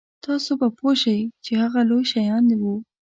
تاسو به پوه شئ چې هغه لوی شیان وو.